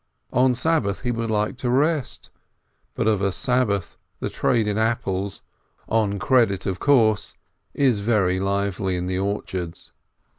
On Sabbath he would like to rest, but of a Sabbath the trade in apples — on tick of course — is very lively in the orchards.